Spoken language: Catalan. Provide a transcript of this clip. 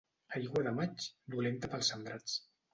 Aigua de maig, dolenta pels sembrats.